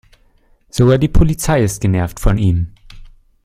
Sogar die Polizei ist genervt von ihm.